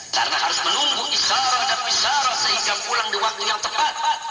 karena harus menunggu isyara dan pisara sehingga pulang di waktu yang tepat